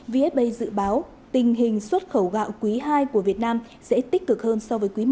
vfba dự báo tình hình xuất khẩu gạo quý ii của việt nam sẽ tích cực hơn so với quý i